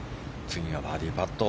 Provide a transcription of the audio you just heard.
次はバーディーパット。